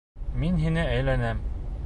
Мин һиңә... әйләнәм!